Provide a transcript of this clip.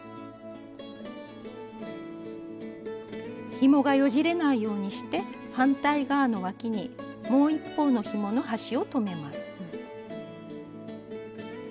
ひもがよじれないようにして反対側のわきにもう一方のひもの端を留めます。